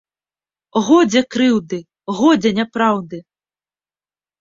Годзе крыўды, годзе няпраўды!